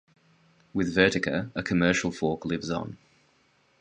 With Vertica a commercial fork lives on.